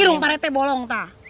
ini rumah parete bolong